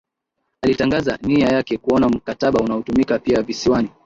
Alitangaza nia yake kuona mkataba unatumika pia Visiwani